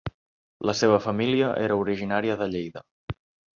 La seva família era originària de Lleida.